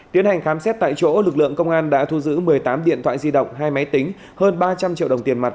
tiến hành khám xét tại chỗ lực lượng công an đã thu giữ một mươi tám điện thoại di động hai máy tính hơn ba trăm linh triệu đồng tiền mặt